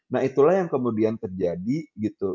nah itulah yang kemudian terjadi gitu